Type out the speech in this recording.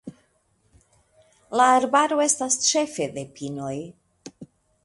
La arbaro estas ĉefe de pinoj.